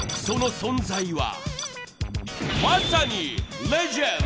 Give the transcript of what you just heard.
その存在はまさに。